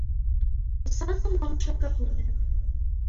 Պսակը մանուշակագույն է։